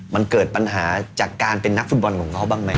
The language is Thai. มันเกิดปัญหาจากการเป็นนักฟุตบอลของเขาบ้างไหม